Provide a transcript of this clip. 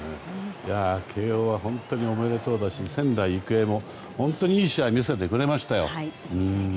慶応は本当におめでとうだし仙台育英も本当にいい試合を見せてくれましたよ。